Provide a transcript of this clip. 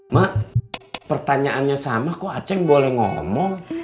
mak pertanyaannya sama kok aceh boleh ngomong